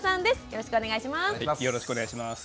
よろしくお願いします。